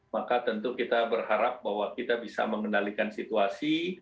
maka tentu kita berharap bahwa kita bisa mengendalikan situasi